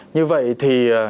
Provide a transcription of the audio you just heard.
như vậy thì